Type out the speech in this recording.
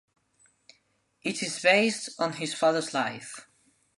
It is based on his father's life.